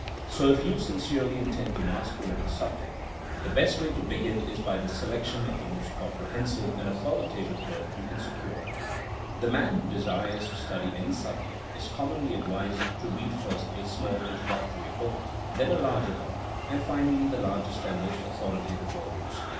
So if you sincerely intend to master any sub ject, the best way to begin is by the selection of the most comprehensive and authoritative work you can secure. The man who desires to study any subject is commonly advised to read first a small intro ductory'* book, then a larger one, and finally the largest and most authoritative volumes.